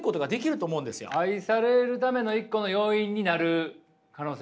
愛されるための一個の要因になる可能性があると。